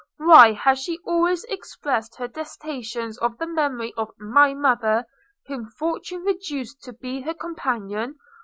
Why has she always expressed her detestation of the memory of my mother, whom fortune reduced to be her companion?